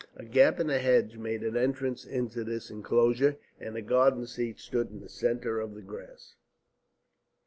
A gap in the hedge made an entrance into this enclosure, and a garden seat stood in the centre of the grass.